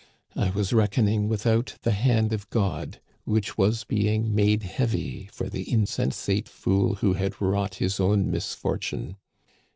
I was reckoning without the hand of God, which was being made heavy for the insensate fool who had wrought his own misfortune.